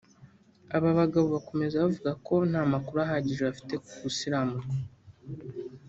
Aba bagabo bakomeza bavuga ko nta makuru ahagije bafite ku gusiramurwa